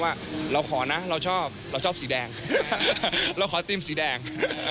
ว่าเราขอนะเราชอบเราชอบสีแดงเราขอธีมสีแดง